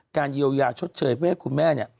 ๒การเยวยาชดเชยเพื่อให้คุณแม่